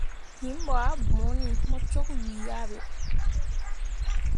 Him ɓo ah bõoni mo cok wii ah ɓe.